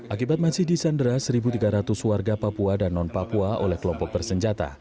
akibat masih di sandera satu tiga ratus warga papua dan non papua oleh kelompok bersenjata